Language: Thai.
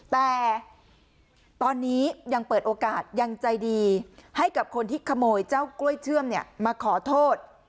แต่ตอนนี้ยังเปิดโอกาสยังใจดีให้กับคนที่ขโมยเจ้ากล้วยเชื่อมมาขอโทษ